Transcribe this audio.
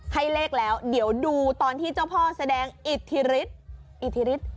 ให้เลขแล้วเดี๋ยวดูตอนที่เจ้าพ่อแสดงอิทธิริศ